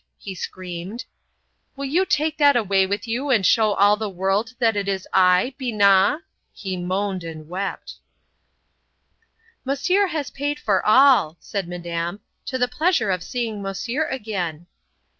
he screamed. "Will you take that away with you and show all the world that it is I,—Binat?" He moaned and wept. "Monsieur has paid for all," said Madame. "To the pleasure of seeing Monsieur again."